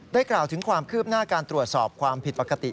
กล่าวถึงความคืบหน้าการตรวจสอบความผิดปกติ